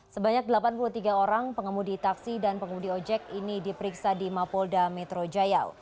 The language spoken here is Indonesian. sebanyak delapan puluh tiga orang pengemudi taksi dan pengemudi ojek ini diperiksa di mapolda metro jaya